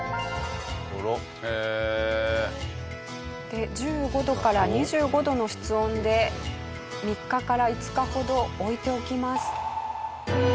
で１５度から２５度の室温で３日から５日ほど置いておきます。